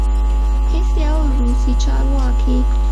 هیڅ یو روسي چارواکی